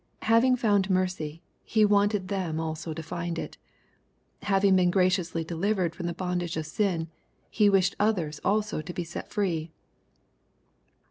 Having lound mercy, he wanted them also to find it. Having been graciously delivered from the bondage of sin, he wished others also to be set free.